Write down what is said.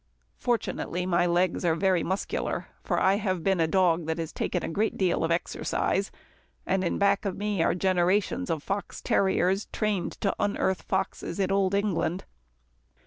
Fortunately, my legs are very muscular, for I have been a dog that has taken a great deal of exercise, and back of me are generations of fox terriers trained to unearth foxes in old England.